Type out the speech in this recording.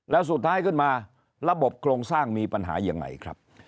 แล้วสุดท้ายขึ้นมาระบบโครงสร้างมีปัญหายังไงครับ